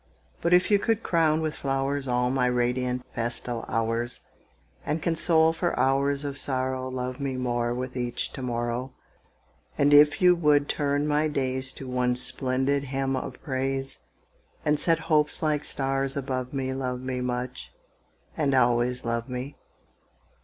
But if you could crown with flowers All my radiant, festal hours, And console for hours of sorrow Love me more with each to morrow. And if you would turn my days To one splendid hymn of praise, And set hopes like stars above me Love me much, and always love me!